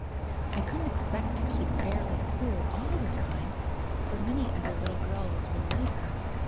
I couldn't expect to keep Fairly Flew all the time, for many other httle girls will need her."